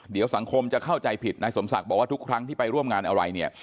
เดี๋ยวสังคมจะเข้าใจผิดนายสมศักดิ์บอกว่าทุกครั้งที่ไปร่วมงานอะไรเนี่ย